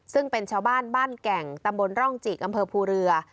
ซึ่งเป็นชาวบ้านบ้านแก่งตำบลร่องจิกอำเภอภูเรือ